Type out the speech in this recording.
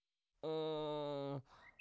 うん。